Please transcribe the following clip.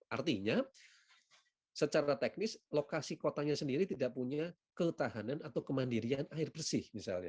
artinya secara teknis lokasi kotanya sendiri tidak punya ketahanan atau kemandirian air bersih misalnya